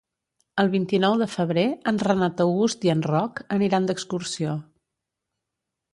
El vint-i-nou de febrer en Renat August i en Roc aniran d'excursió.